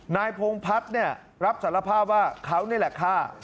นายพงพัฒน์เนี่ยรับสารภาพว่าเขานี่แหละฆ่า